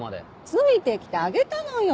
ついてきてあげたのよ。